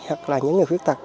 hoặc là những người khuyết tật